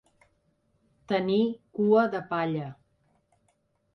Tenir cua de palla.